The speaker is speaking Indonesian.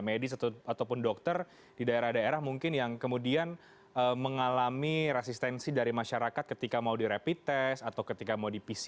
medis ataupun dokter di daerah daerah mungkin yang kemudian mengalami resistensi dari masyarakat ketika mau di rapid test atau ketika mau di pcr